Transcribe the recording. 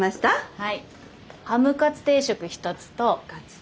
はい。